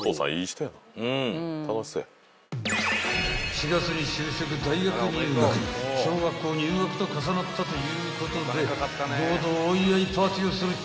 ［４月に就職大学入学小学校入学と重なったということで合同お祝いパーティーをするっちゅう］